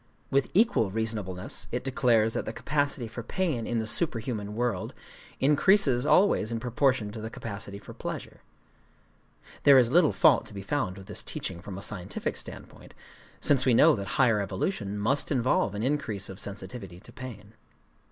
With equal reasonableness it declares that the capacity for pain in the superhuman world increases always in proportion to the capacity for pleasure. (There is little fault to be found with this teaching from a scientific standpoint,—since we know that higher evolution must involve an increase of sensitivity to pain.)